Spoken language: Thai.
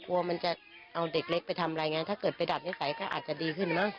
กลัวมันจะเอาเด็กเล็กไปทำอะไรอย่างนี้ถ้าเกิดไปดัดไว้ใส่ก็อาจจะดีขึ้นมั้ง